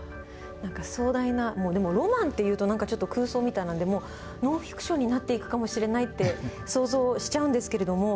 なんか壮大なもうでもロマンっていうとなんかちょっと空想みたいなんでもうノンフィクションになっていくかもしれないって想像しちゃうんですけれども。